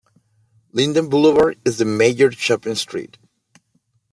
Linden Boulevard is the major shopping street.